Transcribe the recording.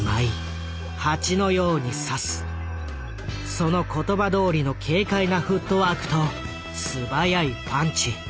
その言葉どおりの軽快なフットワークと素早いパンチ。